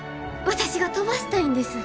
私が飛ばしたいんです。